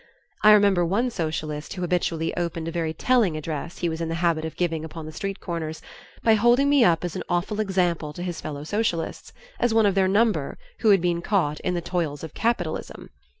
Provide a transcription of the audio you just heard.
I remember one socialist who habitually opened a very telling address he was in the habit of giving upon the street corners, by holding me up as an awful example to his fellow socialists, as one of their number "who had been caught in the toils of capitalism."